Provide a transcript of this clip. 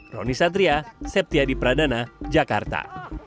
roni satria septiadi pradana jakarta